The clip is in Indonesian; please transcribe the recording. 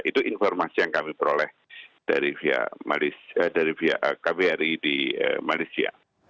itu informasi yang kami peroleh dari pihak kbri di malaysia